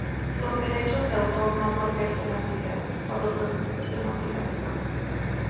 Los derechos de autor no protegen las ideas, solo su expresión o fijación.